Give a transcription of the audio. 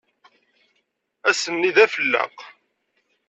Ass-nni d afelleq.